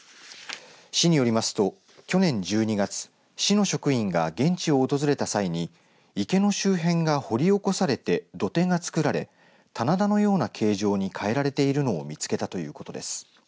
市によりますと、去年１２月市の職員が現地を訪れた際に池の周辺が掘り起こされて土手が作られ棚田のような形状に変えられているのを見つけたということです。